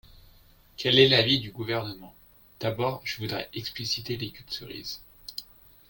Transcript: Quel est l’avis du Gouvernement ? D’abord, je voudrais expliciter les queues de cerises.